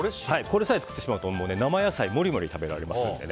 これさえ作ってしまうと生野菜モリモリ食べられますので。